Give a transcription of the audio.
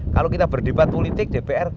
kalau kita berdebat politik dpr